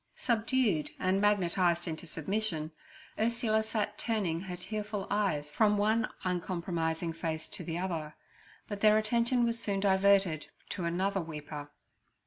Subdued and magnetized into submission, Ursula sat turning her tearful eyes from one uncompromising face to the other; but their attention was soon diverted to another weeper.